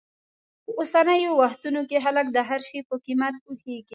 په اوسنیو وختونو کې خلک د هر شي په قیمت پوهېږي.